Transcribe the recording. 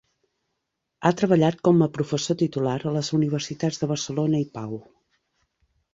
Ha treballat com a professor titular a les universitats de Barcelona i Pau.